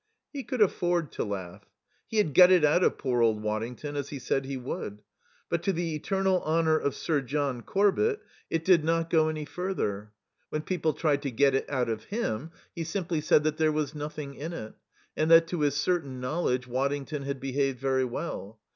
He could afford to laugh. He had got it out of poor old Waddington, as he said he would. But to the eternal honour of Sir John Corbett, it did not go any further. When people tried to get it out of him he simply said that there was nothing in it, and that to his certain knowledge Waddington had behaved very well.